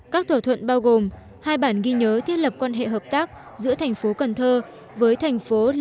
các thỏa thuận bao gồm hai bản ghi nhớ thiết lập quan hệ hợp tác giữa thành phố cần thơ với thành phố la sey souk me